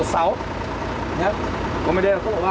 còn bên đây là cốt lộ ba hai